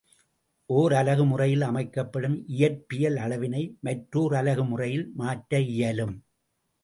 ஒர் அலகு முறையில் அமைக்கப்படும் இயற்பியல் அளவினை மற்றோர் அலகு முறையில் மாற்ற இயலும்.